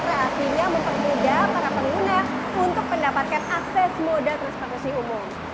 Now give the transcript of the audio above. sehingga mempermudah para pengguna untuk mendapatkan akses moda transportasi umum